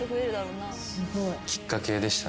きっかけでしたね